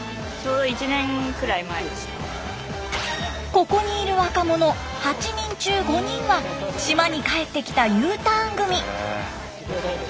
ここにいる若者８人中５人は島に帰ってきたＵターン組。